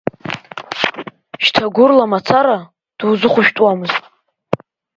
Шьҭа гәырла мацара дузыхәышәтәуамызт.